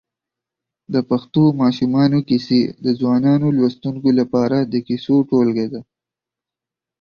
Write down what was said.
د پښتو ماشومانو کیسې د ځوانو لوستونکو لپاره د کیسو ټولګه ده.